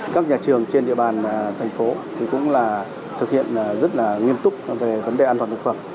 các nhà trường trên địa bàn thành phố cũng là thực hiện rất nghiêm túc về vấn đề an toàn thực phẩm